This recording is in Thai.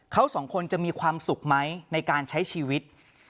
เขาสองคนจะมีความสุขไหมในการใช้ชีวิต